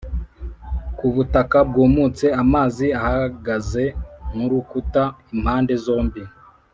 ku butaka bwumutse, amazi ahagaze nk’urukuta impande zombi.